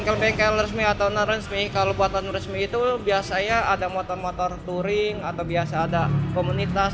kalau bengkel resmi atau non resmi kalau buatan resmi itu biasanya ada motor motor touring atau biasa ada komunitas